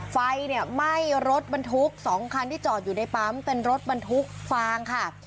ไฟเนี่ยไหม้รถบรรทุก๒คันที่จอดอยู่ในปั๊มเป็นรถบรรทุกฟางค่ะ